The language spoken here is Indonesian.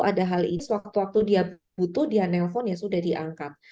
ada hal ini sewaktu waktu dia butuh dia nelpon ya sudah diangkat